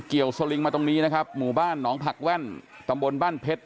สลิงมาตรงนี้นะครับหมู่บ้านหนองผักแว่นตำบลบ้านเพชร